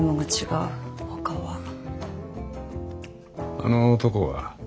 あの男は？